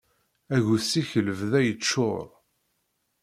Aggus-ik lebda yeččur.